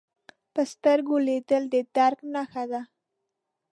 په سترګو لیدل د درک نښه ده